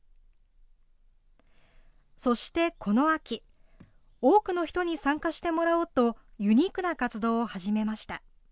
そしてこの秋、多くの人に参加してもらおうと、ユニークな活動を始めました。